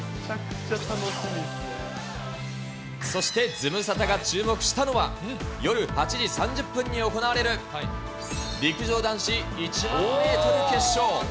そしてズムサタが注目したのは、夜８時３０分に行われる、陸上男子１００００メートル決勝。